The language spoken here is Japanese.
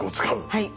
はい。